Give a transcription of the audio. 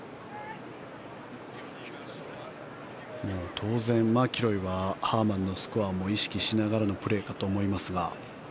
当然、マキロイはハーマンのスコアも意識しながらのプレーかと思いますが。